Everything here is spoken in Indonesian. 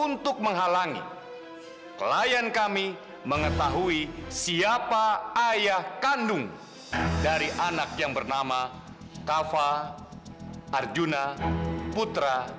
untuk menghalangi klien kami mengetahui siapa ayah kandung dari anak yang bernama kava arjuna putra